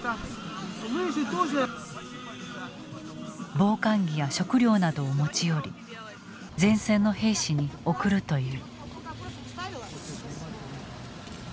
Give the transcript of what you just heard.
防寒着や食料などを持ち寄り前線の兵士に送るという。